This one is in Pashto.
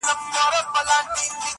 د زړه ښار کي مي آباده میخانه یې,